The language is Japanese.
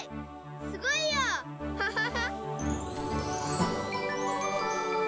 すごいよ！ハハハ。